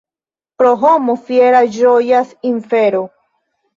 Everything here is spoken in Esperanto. Pro homo fiera ĝojas infero.